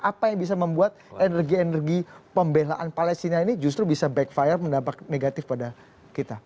apa yang bisa membuat energi energi pembelaan palestina ini justru bisa backfire mendapat negatif pada kita